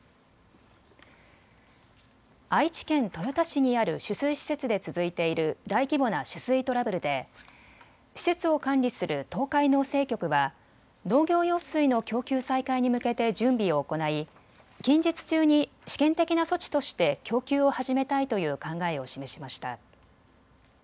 愛知県豊田市にある取水施設で続いている大規模な取水トラブルで施設を管理する東海農政局は農業用水の供給再開に向けて準備を行い近日中に試験的な措置として供給を始めたいという考えを示しました。